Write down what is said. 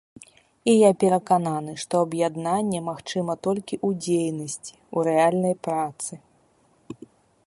І я перакананы, што аб'яднанне магчыма толькі ў дзейнасці, у рэальнай працы.